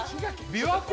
琵琶湖？